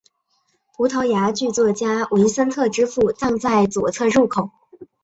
葡萄牙剧作家维森特之父葬在左侧入口。